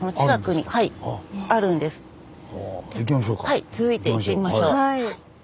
はい続いて行ってみましょう。